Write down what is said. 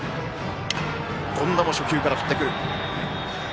権田も初球から振ってくる。